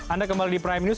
anda kembali di prime news